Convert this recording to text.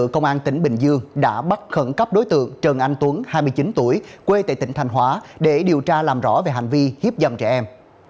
công an tỉnh bình dương đã bắt khẩn cấp đối tượng trần anh tuấn hai mươi chín tuổi quê tại tỉnh thành hóa để điều tra làm rõ về hành vi hiếp dâm trẻ em